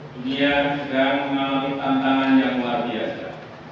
dunia sedang mengalami tantangan yang luar biasa